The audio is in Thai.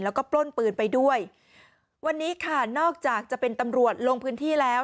แล้วก็ปล้นปืนไปด้วยวันนี้ค่ะนอกจากจะเป็นตำรวจลงพื้นที่แล้ว